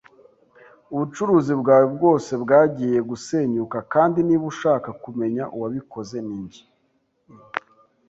ubucuruzi bwawe bwose bwagiye gusenyuka; kandi niba ushaka kumenya uwabikoze - ni njye! I.